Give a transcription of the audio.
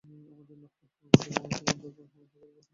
আমাদের ছাড়া, আমাদের মহাবিশ্ব অন্ধকারে পতিত হবে।